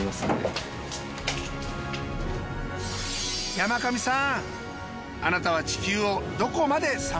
山上さん